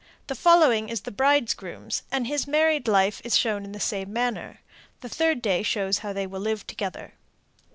The following is the bridegroom's, and his married life is shown in the same manner. The third day shows how they will live together.